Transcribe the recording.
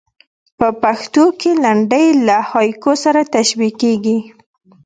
په پښتو کښي لنډۍ له هایکو سره تشبیه کېږي.